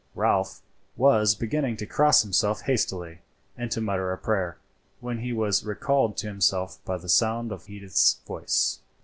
Ralph was beginning to cross himself hastily and to mutter a prayer, when he was recalled to himself by the sound of Edith's voice.